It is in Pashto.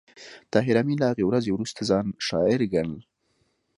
طاهر آمین له هغې ورځې وروسته ځان شاعر ګڼل